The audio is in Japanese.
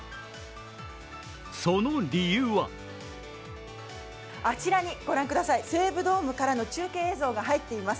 その理由はあちらにご覧ください、西武ドームからの中継映像が入っています。